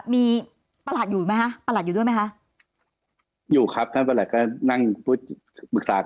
มีประหลาดอยู่ไหมคะประหลาดอยู่ด้วยไหมคะ